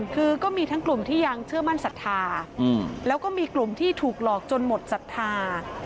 คือก็มีทั้งกลุ่มที่ยังเชื่อมั่นศรัทธาแล้วก็มีกลุ่มที่ถูกหลอกจนหมดศรัทธา